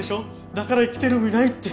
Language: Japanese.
だから生きてる意味ないって。